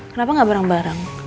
kenapa gak bareng bareng